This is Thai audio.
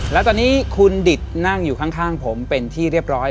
แล้วตอนนี้คุณดิตนั่งอยู่ข้างผมเป็นที่เรียบร้อย